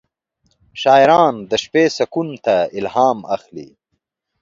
شاعران د شپې سکون ته الهام اخلي.